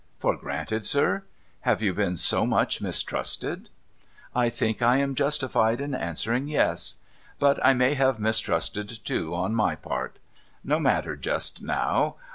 ' For granted, siv ? Have you been so much mistrusted? '' I think I am justified in answering yes. But I may have mistrusted, too, on my part. No matter just now.